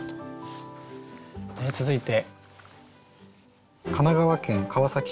続いて。